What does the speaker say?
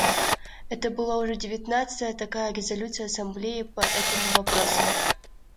Это была уже девятнадцатая такая резолюция Ассамблеи по этому вопросу.